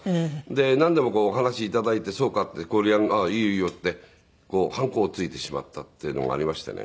なんでもお話を頂いてそうかってこれいいよいいよってハンコをついてしまったっていうのがありましてね